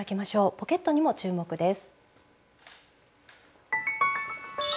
ポケットにも注目です。